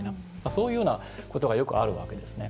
そういうようなことがよくあるわけですね。